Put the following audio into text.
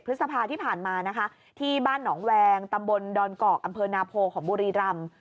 พฤษภาที่ผ่านมานะคะที่บ้านหนองแวงตำบลดอนกอกอำเภอนาโพของบุรีรำ